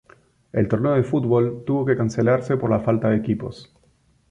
El torneo de fútbol tuvo que cancelarse por la falta de equipos.